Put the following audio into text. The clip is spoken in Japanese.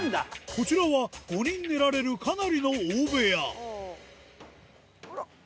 こちらは５人寝られるかなりの大部屋あら！